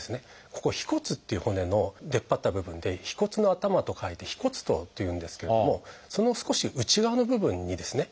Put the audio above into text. ここ「腓骨」っていう骨の出っ張った部分で「腓骨」の「頭」と書いて「腓骨頭」というんですけどもその少し内側の部分にですね